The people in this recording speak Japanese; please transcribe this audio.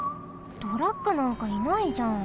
トラックなんかいないじゃん。